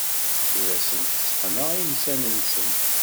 Ur asent-tteqqneɣ iysan-nsen.